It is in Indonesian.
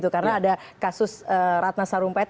karena ada kasus ratna sarumpait